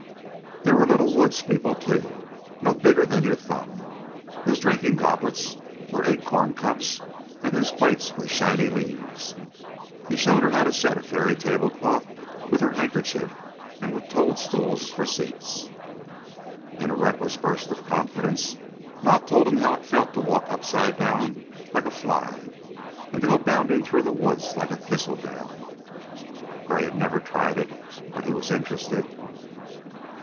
There were little woods people, too, no bigger than your thumb, whose drinking goblets were acorn cups, and whose plates were shiny leaves. He showed her how to set a fairy tablecloth with her handkerchief and with toadstools for seats. In a reckless burst of confidence Ma told him how it felt to walk upside down, like a fly, and to go bounding through the woods like a thistledown. Gray had never tried it, but he was interested.